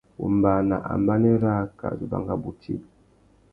Wombāna ambanê râā ka zu banga bôti.